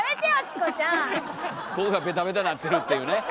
ここがベタベタなってるっていうね。